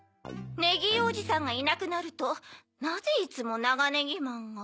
ネギーおじさんがいなくなるとなぜいつもナガネギマンが。